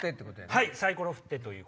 はいサイコロ振って。